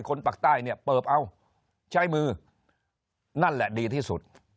ปากใต้เนี่ยเปิบเอาใช้มือนั่นแหละดีที่สุด